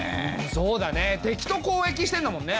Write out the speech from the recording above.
そうだね敵と交易してんだもんね。